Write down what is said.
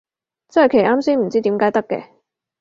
真係奇，啱先唔知點解得嘅